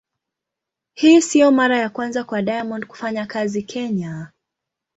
Hii sio mara ya kwanza kwa Diamond kufanya kazi Kenya.